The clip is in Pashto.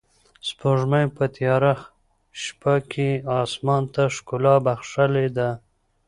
سپوږمۍ په تیاره شپه کې اسمان ته ښکلا بښلې ده.